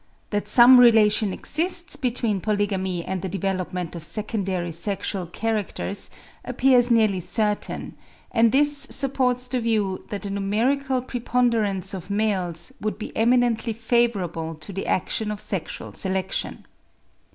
That some relation exists between polygamy and the development of secondary sexual characters, appears nearly certain; and this supports the view that a numerical preponderance of males would be eminently favourable to the action of sexual selection.